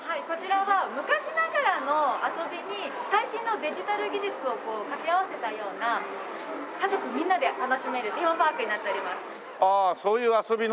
こちらは昔ながらの遊びに最新のデジタル技術を掛け合わせたような家族みんなで楽しめるテーマパークになっております。